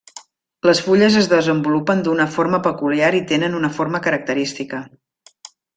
Les fulles es desenvolupen d'una forma peculiar i tenen una forma característica.